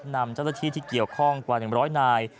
นำเจ้าหน้าที่ที่เกี่ยวข้องกว่า๑๐๐นาย